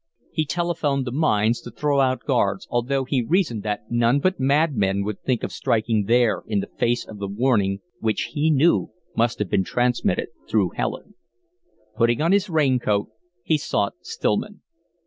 He telephoned the mines to throw out guards, although he reasoned that none but madmen would think of striking there in the face of the warning which he knew must have been transmitted through Helen. Putting on his rain coat he sought Stillman.